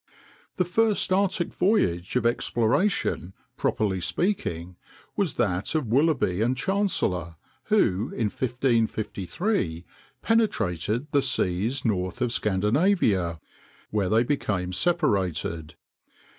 The first Arctic voyage of exploration, properly speaking, was that of Willoughby and Chancellor, who in 1553 penetrated the seas north of Scandinavia, where they became separated.